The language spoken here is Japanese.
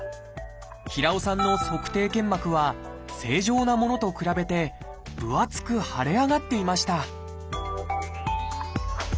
平尾さんの足底腱膜は正常なものと比べて分厚く腫れ上がっていました